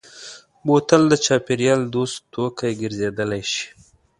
بوتل د چاپېریال دوست توکی ګرځېدای شي.